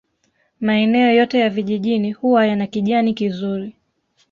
Maeneo yote ya vijijini huwa yana kijani kizuri